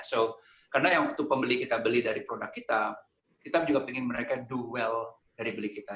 so karena yang waktu pembeli kita beli dari produk kita kita juga pengen mereka duel dari beli kita